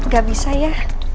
gak bisa ya